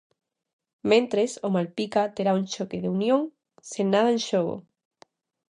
Mentres, o Malpica terá un choque co unión sen nada en xogo.